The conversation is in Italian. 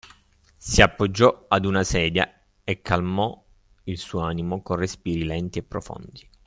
si appoggiò ad una sedia e calmò il suo animo con respiri lenti e profondi.